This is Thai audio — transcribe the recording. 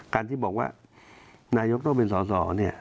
การที่บอกว่านายกต้องเป็นสอสอเนี่ย